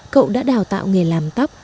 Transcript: cậu đã đào tạo nghề làm tóc